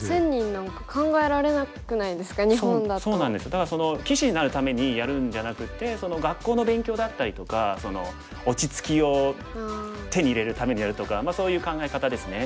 だから棋士になるためにやるんじゃなくて学校の勉強だったりとか落ち着きを手に入れるためにやるとかそういう考え方ですね。